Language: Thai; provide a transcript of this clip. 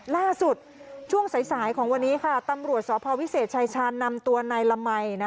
ล่าสุดช่วงสายของวันนี้ค่ะตำรวจสพวิเศษชายชาญนำตัวนายละมัย